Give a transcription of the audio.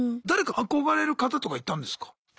誰か憧れる方とかいたんですか？